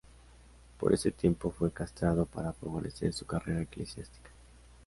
Por ese tiempo fue castrado para favorecer su carrera eclesiástica.